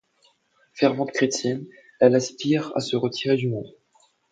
Fervente chrétienne, elle aspire à se retirer du monde.